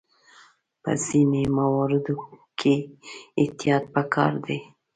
په ځینو مواردو کې احتیاط پکار دی.